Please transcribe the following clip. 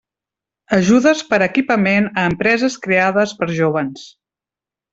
Ajudes per a equipament a empreses creades per jóvens.